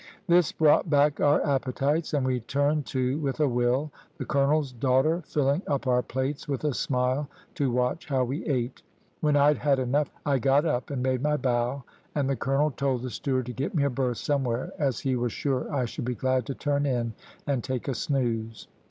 This brought back our appetites, and we turned to with a will, the colonel's daughter filling up our plates with a smile, to watch how we ate. When I'd had enough I got up and made my bow, and the colonel told the steward to get me a berth somewhere, as he was sure I should be glad to turn in and take a snooze.